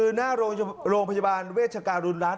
คือหน้าโรงพยาบาลเวชการุณรัฐ